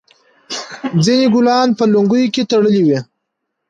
ځینو ګلان په لونګیو کې تړلي وي.